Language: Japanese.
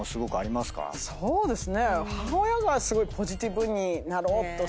そうですね。